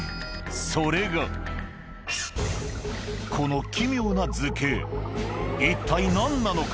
それがこの奇妙な図形一体何なのか？